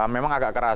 memang agak keras